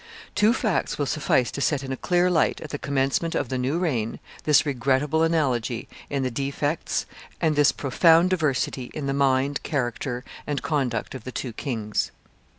Two facts will suffice to set in a clear light, at the commencement of the new reign, this regrettable analogy in the defects, and this profound diversity in the mind, character, and conduct of the two kings.